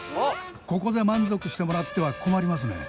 ここで満足してもらっては困りますね。